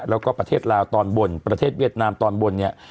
แล้วก็ประเทศลาวตอนบนประเทศเวียดนามตอนบนเนี่ย